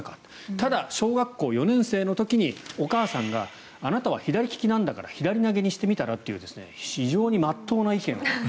ただ、小学校４年生の時にお母さんがあなたは左利きなんだから左投げにしてみたら？という非常に真っ当な意見を。